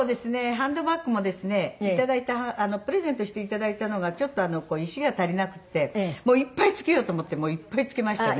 ハンドバッグもですねプレゼントして頂いたのがちょっと石が足りなくってもういっぱい付けようと思っていっぱい付けましたね。